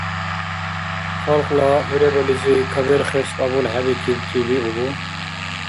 Халкьла хӏуребализи каберхес кьабулхӏебикибти биубу?